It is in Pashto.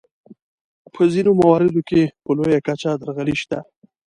په ځینو مواردو کې په لویه کچه درغلۍ شته.